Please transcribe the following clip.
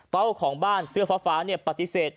เจ้าของบ้านเสื้อฟ้าปฏิเสธ